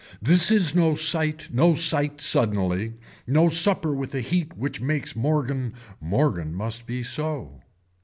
This is no sight, no sight suddenly, no supper with a heat which makes morgan, morgan must be so.